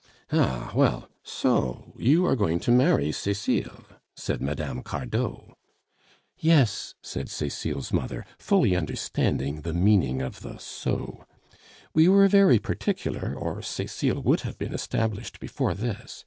"Ah! well. So you are going to marry Cecile?" said Mme. Cardot. "Yes," said Cecile's mother, fully understanding the meaning of the "so." "We were very particular, or Cecile would have been established before this.